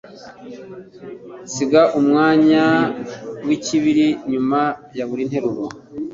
Siga umwanya wikibiri nyuma ya buri nteruro.